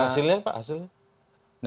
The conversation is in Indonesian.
hasilnya pak hasilnya